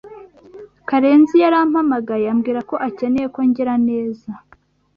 Karenzi yarampamagaye ambwira ko akeneye ko ngira neza.